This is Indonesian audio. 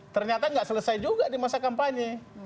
ternyata nggak selesai juga di masa kampanye